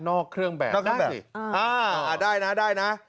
นอกเครื่องแบบได้สิอ่าได้นะได้นะ